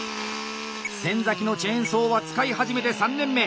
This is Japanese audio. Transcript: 先のチェーンソーは使い始めて３年目。